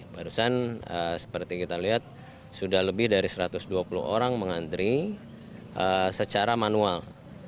barusan seperti kita lihat sudah lebih dari satu ratus dua puluh orang mengantri secara manual